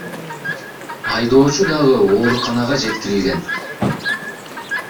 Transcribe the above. Айдоочу дагы ооруканага жеткирилген.